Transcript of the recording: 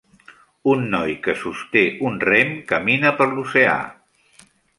Un noi que sosté un rem camina per l'oceà.